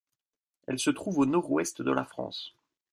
Elle se trouve au nord-ouest de la France.